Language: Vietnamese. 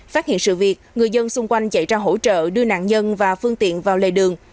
phát hiện sự việc người dân xung quanh chạy ra hỗ trợ đưa nạn nhân và phương tiện vào lề đường